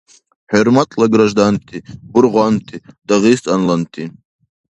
ХӀурматла гражданти, бургъанти, дагъистанланти!